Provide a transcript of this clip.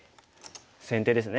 先手ですね。